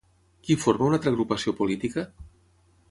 Qui forma una altra agrupació política?